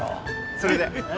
それで？